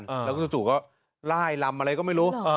อืมแล้วก็จุดจุดก็ล่ายลำอะไรก็ไม่รู้อ่า